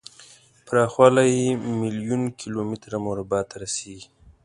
پراخوالی یې میلیون کیلو متر مربع ته رسیږي.